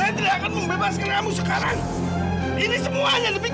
amira kamu datang sekarang ke rumah sakit